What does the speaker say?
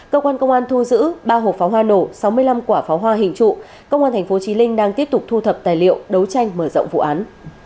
cơ quan công an thu giữ ba hộp pháo hoa nổ sáu mươi năm quả pháo hoa hình trụ công an tp chí linh đang tiếp tục thu thập tài liệu đấu tranh mở rộng vụ án